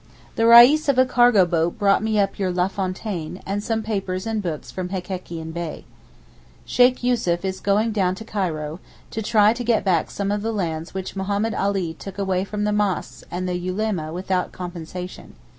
The reis of a cargo boat brought me up your Lafontaine, and some papers and books from Hekekian Bey. Sheykh Yussuf is going down to Cairo, to try to get back some of the lands which Mahommed Ali took away from the mosques and the Ulema without compensation.